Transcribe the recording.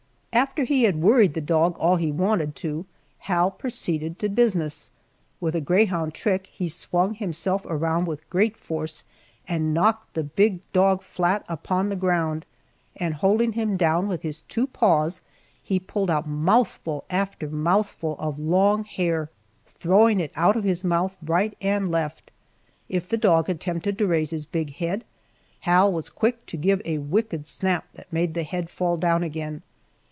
After he had worried the dog all he wanted to Hal proceeded to business. With a greyhound trick, he swung himself around with great force and knocked the big dog flat upon the ground, and holding him down with his two paws he pulled out mouthful after mouthful of long hair, throwing it out of his mouth right and left. If the dog attempted to raise his big head Hal was quick to give a wicked snap that made the head fall down again.